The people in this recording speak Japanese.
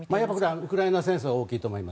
ウクライナ戦争が大きいと思います。